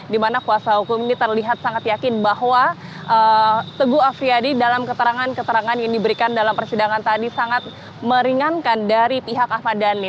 dimana kuasa hukum ini terlihat sangat yakin bahwa teguh afriyadi dalam keterangan keterangan yang diberikan dalam persidangan tadi sangat meringankan dari pihak ahmad dhani